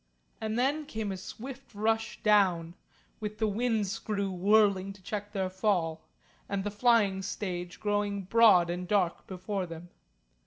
And then came a swift rush down, with the wind screw whirling to check their fall, and the flying stage growing broad and dark before them.